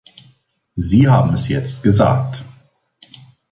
Sie haben es jetzt gesagt.